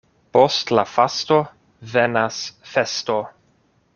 Post la fasto venas festo.